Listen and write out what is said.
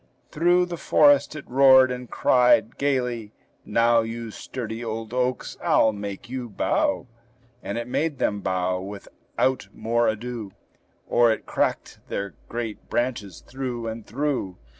Through the forest it roared, and cried gayly, "Now, You sturdy old oaks, I'll make you bow!" And it made them bow without more ado, Or it cracked their great branches through and through.